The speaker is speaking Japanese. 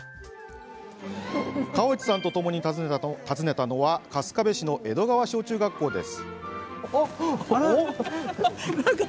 河内さんとともに訪ねたのは春日部市の江戸川小中学校です。